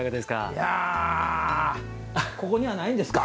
いやここにはないんですか。